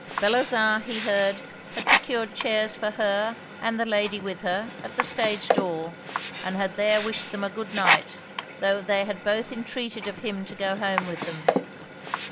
Bellozane, he heard, had procured chairs for her and the lady with her, at the stage door, and had there wished them a good night, tho' they had both intreated of him to go home with them.